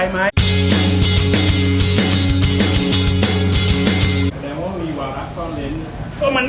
คำนามว่ามีวารักทรอดหลิง